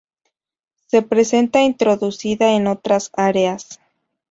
Se presenta introducida en otras áreas.